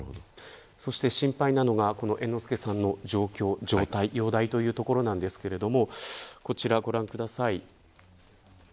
そして心配なのが猿之助さんの状況、状態、容体というところですがこちらをご覧ください。